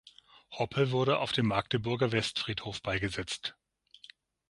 Hoppe wurde auf dem Magdeburger Westfriedhof beigesetzt.